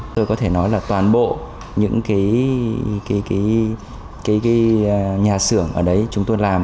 tôi có thể nói là toàn bộ những cái nhà xưởng ở đấy chúng tôi làm